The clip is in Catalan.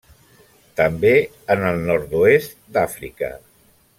També en el nord-oest d'Àfrica.